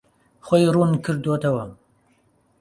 خۆی ڕوون کردووەتەوە.